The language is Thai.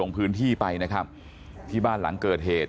พื้นที่ไปนะครับที่บ้านหลังเกิดเหตุ